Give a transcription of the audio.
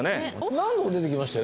何度も出てきましたよね